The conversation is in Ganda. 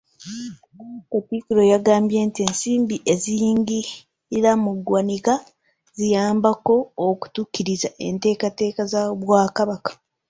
Katikkiro yagambye nti ensimbi eziyingira mu ggwanika ziyambye okutuukiriza enteekateeka z’Obwakabaka.